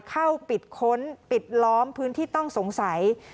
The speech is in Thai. เข้าปิดค้นปิดล้อมพื้นที่ต้องสงสัย